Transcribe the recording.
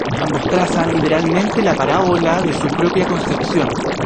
Ambos trazan literariamente la parábola de su propia concepción.